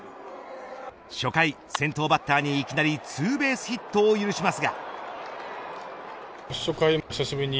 初回、先頭バッターにいきなりツーベースヒットを許しますが。